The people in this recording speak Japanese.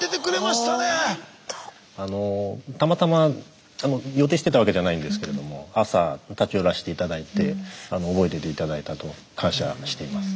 あのたまたま予定してたわけじゃないんですけれども朝立ち寄らせて頂いて覚えてて頂いたと。感謝しています。